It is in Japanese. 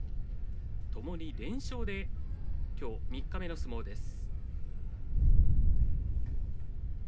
ともに連勝で今日、三日目の相撲です。